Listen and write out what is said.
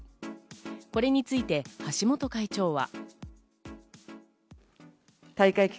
これについて橋本会長は。